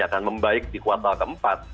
akan membaik di kuartal keempat